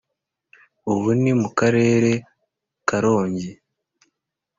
ubu ni mu karere karongi